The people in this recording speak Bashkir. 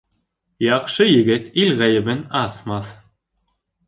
Яҡшы егет ил ғәйебен асмаҫ.